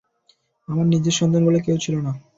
আমার নিজের সন্তান বলে কেউ ছিল না।